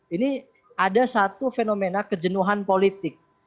ini ada satu fenomena kejenuhan politik